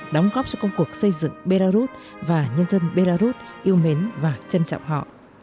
đóng góp cho công cuộc xây dựng belarus và nhân dân belarus yêu mến và trân trọng họ